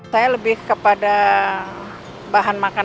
saya lebih kepada bahan makanan